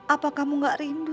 apa kamu gak rindu